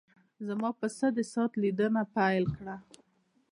زما پسه د ساعت لیدنه پیل کړه.